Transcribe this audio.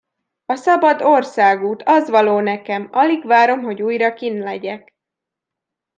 A szabad országút, az való nekem, alig várom, hogy újra kinn legyek!